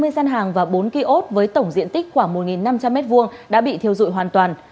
một trăm hai mươi sân hàng và bốn ký ốt với tổng diện tích khoảng một năm trăm linh m hai đã bị thiêu dụi hoàn toàn